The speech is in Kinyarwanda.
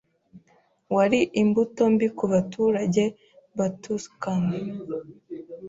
Wari imbuto mbi ku baturage ba Tuscan